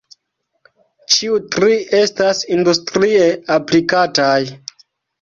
Ĉiu tri estas industrie aplikataj.